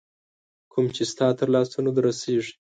کوم چي ستا تر لاسونو در رسیږي